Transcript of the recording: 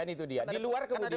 itu dia di luar kemudian